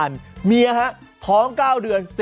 อันนี้คือ